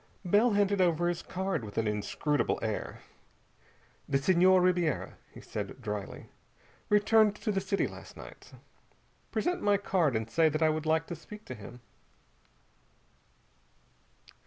Bell handed over his card with an inscrutable air. "The Senhor Ribiera," he said drily, "returned to the city last night. Present my card and say that I would like to speak to him."